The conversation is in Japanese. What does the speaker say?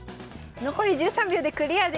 残り１３秒でクリアです。